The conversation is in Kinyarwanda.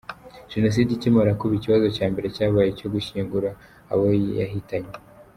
Jenoside ikimara kuba, ikibazo cya mbere cyabaye icyo gushyingura abo yahitanye.